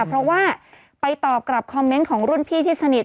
เพราะว่าไปตอบกับคอมเมนต์ของรุ่นพี่ที่สนิท